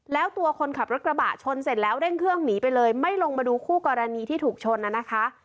แล้วตัวคนขับรถกระบะชนเสร็จแล้วเร่งเครื่องหนีไปเลยไม่ลงมาดูคู่กรณีที่ถูกชนนะคะ